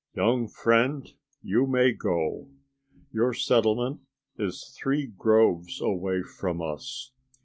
"Young friend, you may go. Your settlement is three groves away from us.